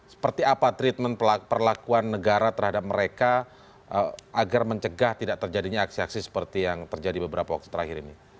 seperti apa treatment perlakuan negara terhadap mereka agar mencegah tidak terjadinya aksi aksi seperti yang terjadi beberapa waktu terakhir ini